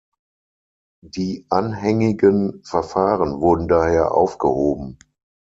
Die anhängigen Verfahren wurden daher aufgehoben.